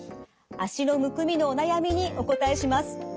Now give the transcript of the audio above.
脚のむくみのお悩みにお答えします。